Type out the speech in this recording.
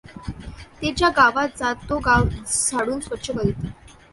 ते ज्या गावात जात तो गाव झाडून स्वच्छ करीत.